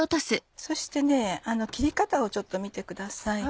そして切り方をちょっと見てください。